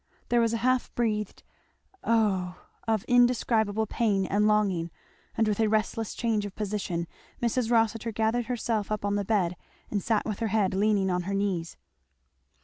There was a half breathed "Oh! " of indescribable pain and longing; and with a restless change of position Mrs. Rossitur gathered herself up on the bed and sat with her head leaning on her knees.